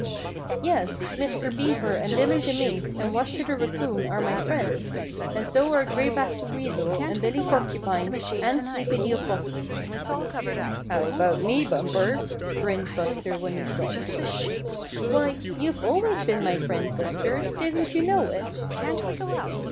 "Yes, Mr. Beaver and Billy the Mink and Washer the Raccoon are my friends. And so are Gray Back the Weasel and Billy Porcupine and Sleepy the Opossum." "How about me, Bumper?" grinned Buster when he stopped. "Why, you've always been my friend, Buster, didn't you know it?"